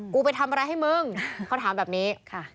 กูไปทำอะไรให้มึงเขาถามแบบนี้